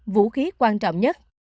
vũ khí quan trọng nhất